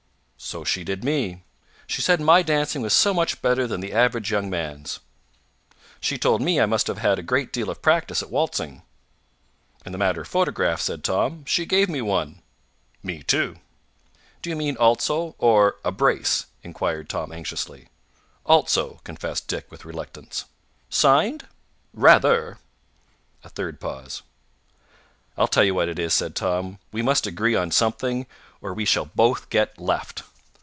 "So she did me. She said my dancing was so much better than the average young man's." "She told me I must have had a great deal of practice at waltzing." "In the matter of photographs," said Tom, "she gave me one." "Me, too." "Do you mean 'also' or 'a brace'?" inquired Tom anxiously. "'Also,'" confessed Dick with reluctance. "Signed?" "Rather!" A third pause. "I tell you what it is," said Tom; "we must agree on something, or we shall both get left.